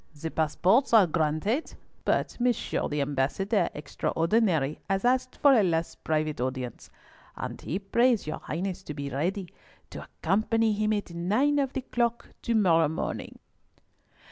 The passports are granted, but Monsieur the Ambassador Extraordinary has asked for a last private audience, and he prays your Highness to be ready to accompany him at nine of the clock to morrow morning."